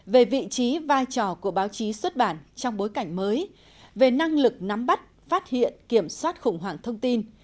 về vị trí vai trò của báo chí xuất bản trong bối cảnh mới về năng lực nắm bắt phát hiện kiểm soát khủng hoảng thông tin